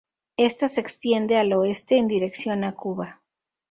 Esta se extiende al oeste en dirección a Cuba.